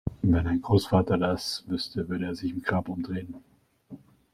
Wenn dein Großvater das wüsste, würde er sich im Grab umdrehen!